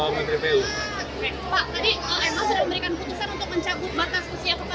jangan tahu apa apa